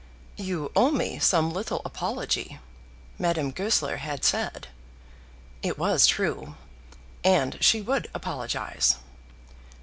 "You owe me some little apology," Madame Goesler had said. It was true, and she would apologise.